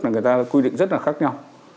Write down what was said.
là người ta quy định rất là khác nhau